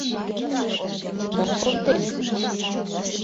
Мом конден?